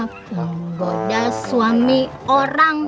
menggoda suami orang